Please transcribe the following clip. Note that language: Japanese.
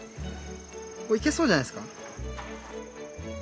いけそうじゃないですか？